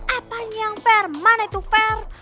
apa yang fair mana itu fair